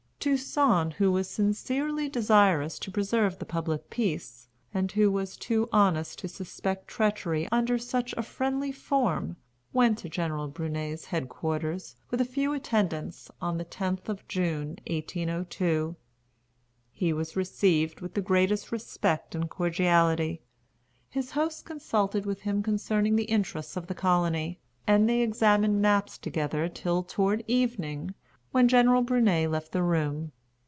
Toussaint, who was sincerely desirous to preserve the public peace, and who was too honest to suspect treachery under such a friendly form, went to General Brunet's head quarters, with a few attendants, on the 10th of June, 1802. He was received with the greatest respect and cordiality. His host consulted with him concerning the interests of the colony; and they examined maps together till toward evening, when General Brunet left the room.